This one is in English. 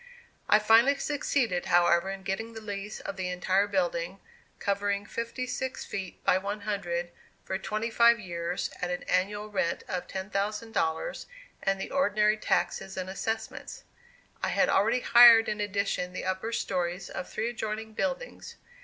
I finally succeeded, however, in getting the lease of the entire building, covering fifty six feet by one hundred, for twenty five years, at an annual rent of $10,000 and the ordinary taxes and assessments. I had already hired in addition the upper stories of three adjoining buildings.